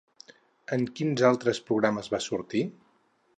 En quins altres programes va sortir?